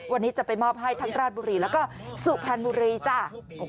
วันนี้จะไปมอบให้ทั้งราชบุรีแล้วก็สุพรรณบุรีจ้า